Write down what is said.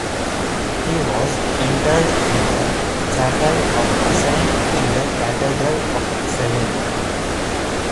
He was interred in the chapel of Saint in the Cathedral of Seville.